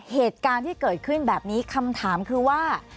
เหตุการณ์ที่เกิดขึ้นแบบนี้คำถามคือว่า